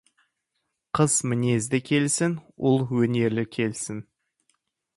Қыз мінезді келсін, ұл өнерлі келсін.